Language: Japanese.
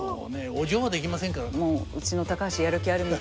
お嬢はできませんから。